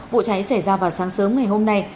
vụ cháy xảy ra vào sáng sớm ngày hôm nay